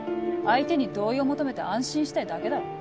相手に同意を求めて安心したいだけだろ。